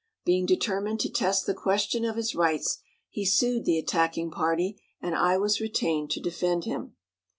Being determined to test the question of his rights, he sued the attacking party, and I was retained to defend them.